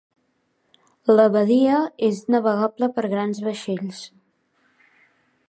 La badia és navegable per grans vaixells.